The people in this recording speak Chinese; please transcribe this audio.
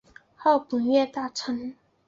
号本院大臣。